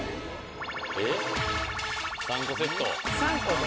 えっ３個セット３個で？